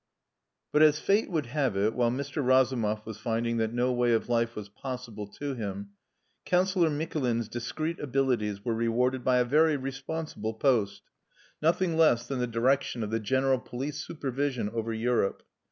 But as fate would have it, while Mr. Razumov was finding that no way of life was possible to him, Councillor Mikulin's discreet abilities were rewarded by a very responsible post nothing less than the direction of the general police supervision over Europe.